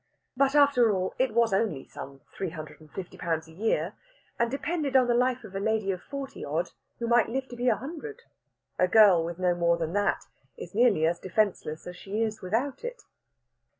But, after all, it was only some three hundred and fifty pounds a year, and depended on the life of a lady of forty odd, who might live to be a hundred. A girl with no more than that is nearly as defenceless as she is without it.